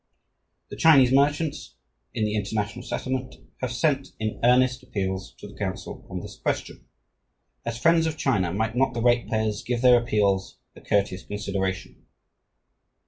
"The Chinese merchants in the International Settlement have sent in earnest appeals to the Council on this question. As friends of China, might not the ratepayers give their appeals a courteous consideration?